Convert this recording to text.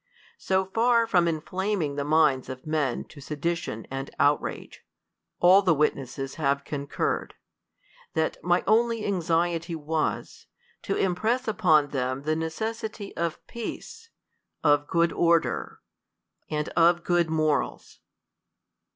So far from inflaming the minds of men to se dition and outrage, all the witnesses have concurred, that my only anxiety was, to impress upon them the necessity of peace, of good order, and of good morals.